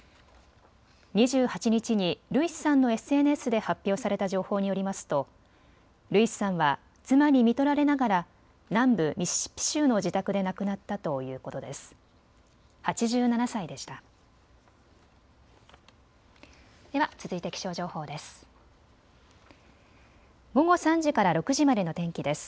２８日にルイスさんのＳＮＳで発表された情報によりますとルイスさんは妻にみとられながら南部ミシシッピ州の自宅で亡くなったということです。